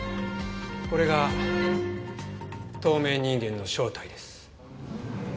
これが透明人間の正体です。